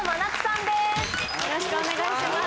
よろしくお願いします。